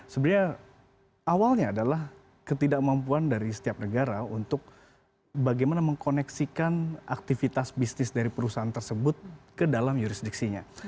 sebenarnya awalnya adalah ketidakmampuan dari setiap negara untuk bagaimana mengkoneksikan aktivitas bisnis dari perusahaan tersebut ke dalam jurisdiksinya